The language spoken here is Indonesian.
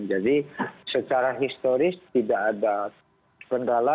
jadi secara historis tidak ada kendala